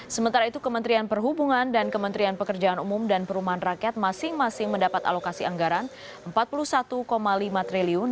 sementara itu kementerian perhubungan dan kementerian pekerjaan umum dan perumahan rakyat masing masing mendapat alokasi anggaran rp empat puluh satu lima triliun